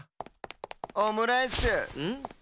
オムライスん？